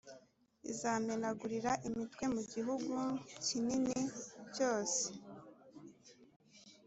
Izamenagurira imitwe mu gihugu kinini cyose.